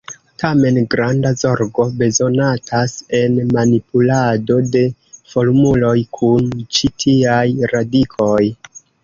Tamen, granda zorgo bezonatas en manipulado de formuloj kun ĉi tiaj radikoj.